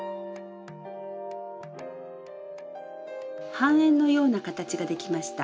半円のような形ができました。